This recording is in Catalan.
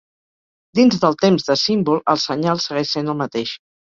Dins del temps de símbol el senyal segueix sent el mateix.